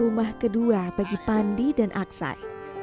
rumah kedua bagi pandi dan aksai